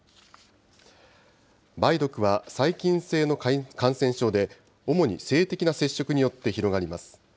梅毒は細菌性の感染症で、主に性的な接触によって広がります。